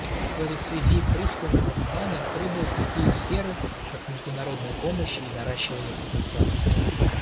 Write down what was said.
В этой связи пристального внимания требуют такие сферы, как международная помощь и наращивание потенциала.